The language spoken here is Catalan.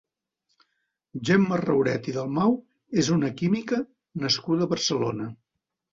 Gemma Rauret i Dalmau és una química nascuda a Barcelona.